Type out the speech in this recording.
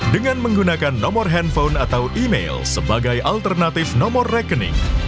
dengan menggunakan nomor handphone atau email sebagai alternatif nomor rekening